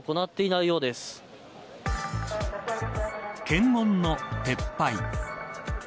検温の撤廃。